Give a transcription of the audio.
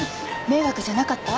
迷惑じゃなかった？